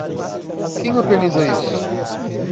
Quem organiza isso?